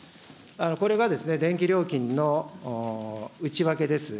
これが電気料金の内訳です。